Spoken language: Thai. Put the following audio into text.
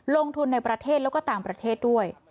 ลงทุนในประเทศแล้วก็ต่างประเทศด้วย